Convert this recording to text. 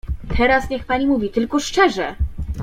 "Teraz niech pani mówi, tylko szczerze!"